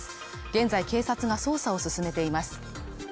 現在警察が捜査を進めています。